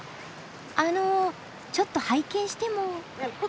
あのちょっと拝見しても？